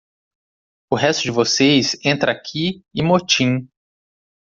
O resto de vocês entra aqui e motim!